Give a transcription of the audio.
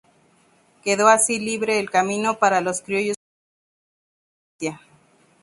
Quedó así libre el camino para los criollos que buscaban la independencia.